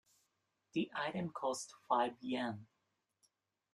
The item costs five Yen.